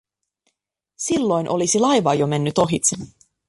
Silloin olisi laiva jo mennyt ohitse.